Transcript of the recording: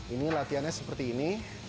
ini latihannya seperti ini